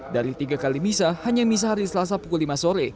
dari tiga kali misa hanya misa hari selasa pukul lima sore